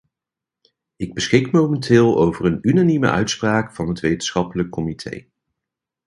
Ik beschik momenteel over een unanieme uitspraak van het wetenschappelijke comité.